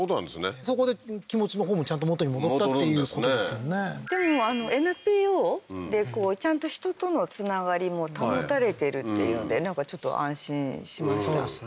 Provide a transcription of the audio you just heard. あそこで気持ちのほうもちゃんと元に戻ったっていうことですもんねでもＮＰＯでちゃんと人との繋がりも保たれてるっていうのでなんかちょっと安心しましたそうですね